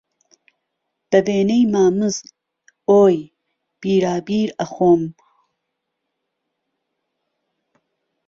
به وێنهی مامز، ئۆی، بیرابیر ئهخۆم